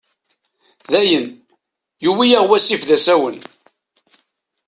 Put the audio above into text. Dayen, yuwi-aɣ wasif d asawen.